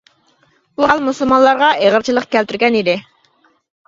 بۇ ھال مۇسۇلمانلارغا ئېغىرچىلىق كەلتۈرگەن ئىدى.